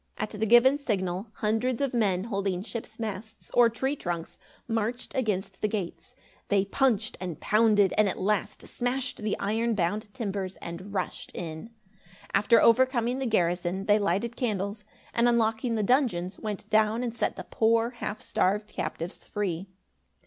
At the given signal, hundreds of men holding ship's masts, or tree trunks, marched against the gates. They punched and pounded and at last smashed the iron bound timbers and rushed in. After overcoming the garrison, they lighted candles, and unlocking the dungeons, went down and set the poor half starved captives free.